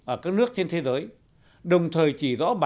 ở các nước trên thế giới đồng thời chỉ rõ bản chất các nội dung